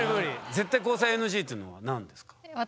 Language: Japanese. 「絶対交際ＮＧ」っていうのは何ですか？